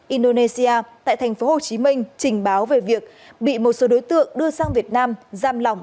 indonesia tại tp hcm trình báo về việc bị một số đối tượng đưa sang việt nam giam lòng